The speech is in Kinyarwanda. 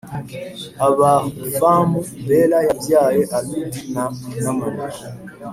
Abahufamu Bela yabyaye Arudi na Namani